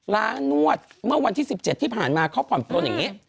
ร้านนวดเมื่อวันที่๑๗ที่ผ่านมาเขาผ่อนปลนอย่างนี้